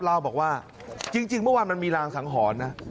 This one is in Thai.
เล่าบอกว่าจริงเมื่อวานมันมีรางสังหรณ์นะ